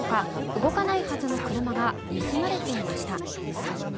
動かないはずの車が盗まれていました。